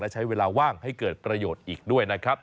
และใช้เวลาว่างให้เกิดประโยชน์อีกด้วยนะครับ